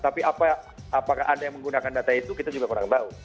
tapi apakah ada yang menggunakan data itu kita juga kurang tahu